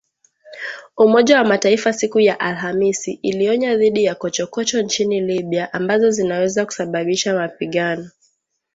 Umoja wa Mataifa siku ya Alhamisi ilionya dhidi ya “chokochoko” nchini Libya ambazo zinaweza kusababisha mapigano